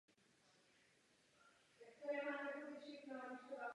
Jezdci poslední část i tak získali.